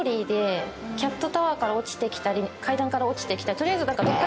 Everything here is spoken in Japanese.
キャットタワーから落ちてきたり階段から落ちてきたり。